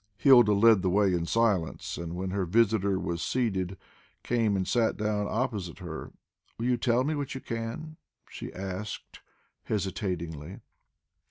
Hilda led the way in silence, and, when her visitor was seated, came and sat down opposite her. "Will you tell me what you can?" she asked hesitatingly.